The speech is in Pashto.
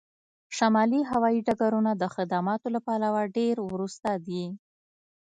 شمالي هوایی ډګرونه د خدماتو له پلوه ډیر وروسته دي